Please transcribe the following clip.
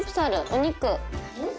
お肉。